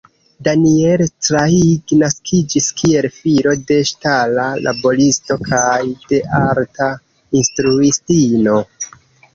Daniel Craig naskiĝis kiel filo de ŝtala laboristo kaj de arta instruistino.